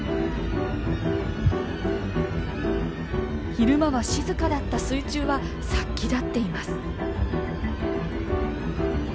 昼間は静かだった水中は殺気立っています。